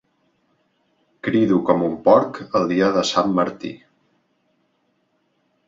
Crido com un porc el dia de sant Martí.